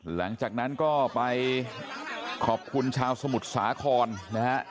หลังจากนั้นก็ไปขอบคุณชาวสมุทรสาครนะฮะ